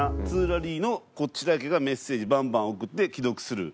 ２ラリーのこっちだけがメッセージバンバン送って既読スルー。